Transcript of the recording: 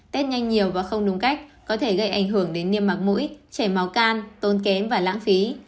tết nhanh nhiều và không đúng cách có thể gây ảnh hưởng đến niêm mạc mũi chảy máu can tốn kém và lãng phí